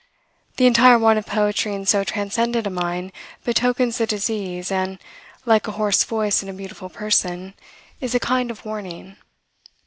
The entire want of poetry in so transcendent a mind betokens the disease, and, like a hoarse voice in a beautiful person, is a kind of warning.